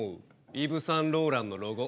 イヴ・サンローランのロゴ。